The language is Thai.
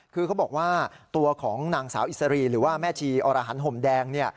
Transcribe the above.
คือเขาบอกว่าตัวของนางสาวอิสรีหรือว่าแม่ชีอรหันห่มแดง